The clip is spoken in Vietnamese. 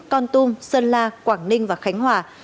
còn tung sơn la quảng ninh và khánh hòa